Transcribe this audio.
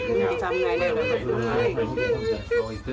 นางศรีพรายดาเสียยุ๕๑ปี